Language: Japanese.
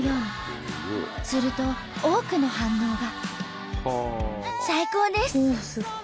すると多くの反応が。